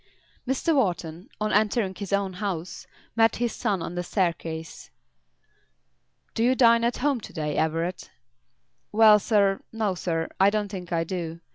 Mr. Wharton, on entering his own house, met his son on the staircase. "Do you dine at home to day, Everett?" "Well, sir; no, sir. I don't think I do.